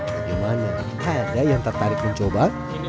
bagaimana ada yang tertarik mencoba